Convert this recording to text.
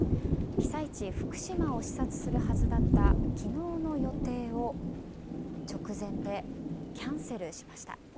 被災地・福島を視察するはずだった昨日の予定を直前でキャンセルしました。